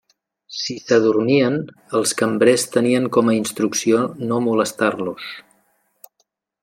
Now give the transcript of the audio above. Si s'adormien, els cambrers tenien com a instrucció no molestar-los.